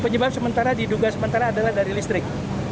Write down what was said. penyebab sementara diduga sementara adalah dari listrik